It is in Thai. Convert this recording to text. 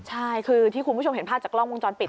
ใช่คือที่คุณผู้ชมเห็นภาพจากกล้องวงจรปิด